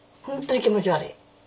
本当に気持ち悪い。